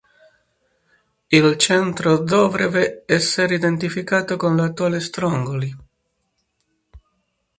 Il centro dovrebbe essere identificato con l'attuale Strongoli.